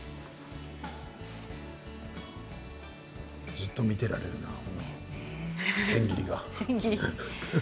ずっと見ていられるな千切り。